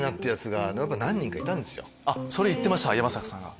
それ言ってました山坂さんが。